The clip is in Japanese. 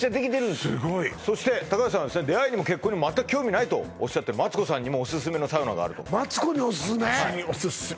すごいそして高橋さんは出会いにも結婚にも全く興味ないとおっしゃってるマツコさんにもオススメのサウナがあるとマツコにオススメ？